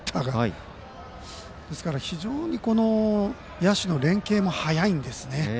ですから、非常に野手の連係も早いんですね。